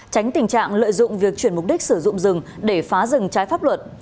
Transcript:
tránh tình trạng lợi dụng việc chuyển mục đích sử dụng rừng để phá rừng trái pháp luật